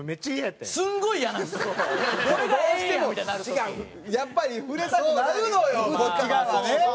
どうしてもやっぱり触れたくなるのよこっち側はね。